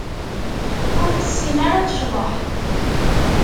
Ur tessin ara ad tecḍeḥ.